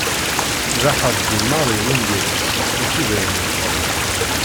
D aḥerfi maḍi wungal-is, mačči d ayen meqqren.